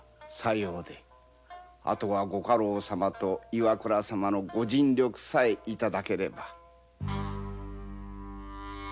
あとはご家老様と岩倉様のご尽力さえいただければ。